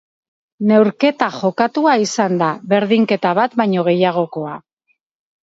Neurketa jokatua izan da, berdinketa bat baino gehiagokoa.